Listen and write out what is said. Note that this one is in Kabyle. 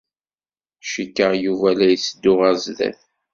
Cikkeɣ Yuba la yetteddu ɣer sdat.